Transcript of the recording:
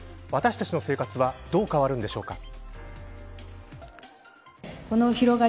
私たちの生活はどう変わるんでしょうか。